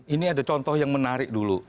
ini ada contoh yang menarik dulu